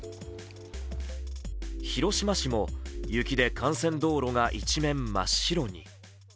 広島市も雪で幹線道路が一面真っ白。